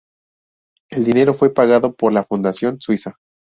El dinero fue pagado por la fundación suiza.